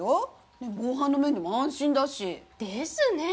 防犯の面でも安心だし。ですね！